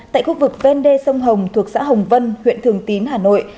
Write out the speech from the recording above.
tại khu vực vendê sông hồng thuộc xã hồng vân huyện thường tín hà nội